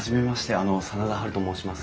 あの真田ハルと申します。